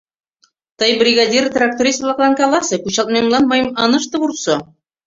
— Тый, бригадир, тракторист-влаклан каласе: кучалтмемлан мыйым ынышт вурсо.